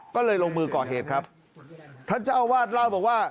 ก็เลยลงมือก่อเหตุครับท่านเจ้าอาวาสเล่าบอกว่า